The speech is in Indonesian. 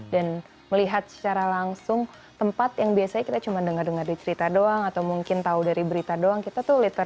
dan melihat secara langsung tempat yang biasanya kita cuma denger denger di cerita doang atau mungkin tau dari berita doang kita tuh literally aja gitu ya